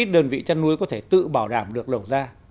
những đơn vị chăn nuôi có thể tự bảo đảm được lồng ra